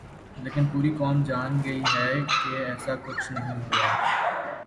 لیکن پوری قوم اب جان گئی ہے کہ ایسا کچھ نہیں ہوا۔